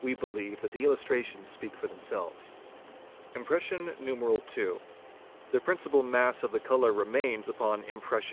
We believe that the illustrations speak for themselves. Impression II.—The principal mass of the colour remains upon Jm _ pression I.